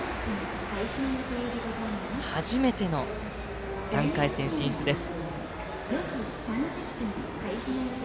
初めての３回戦進出です。